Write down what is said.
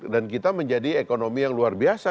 dan kita menjadi ekonomi yang luar biasa